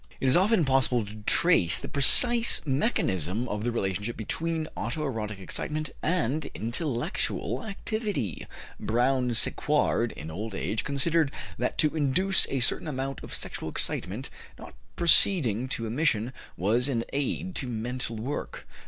It is often possible to trace the precise mechanism of the relationship between auto erotic excitement and intellectual activity. Brown Séquard, in old age, considered that to induce a certain amount of sexual excitement, not proceeding to emission, was an aid to mental work.